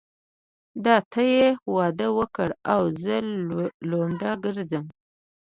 ده ته يې واده وکړ او زه لونډه ګرځم.